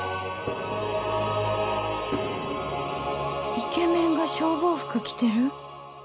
・イケメンが消防服着てる？